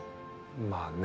まあね。